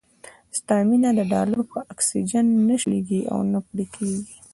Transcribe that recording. ستا مينه د ډالرو په اکسيجن نه شلېږي او نه پرې کېږي.